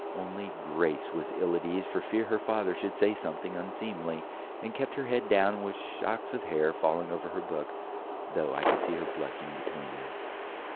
Only Grace was ill at ease for fear her father should say something unseemly, and kept her head down with shocks of hair falling over her book, though I could see her blushing between them.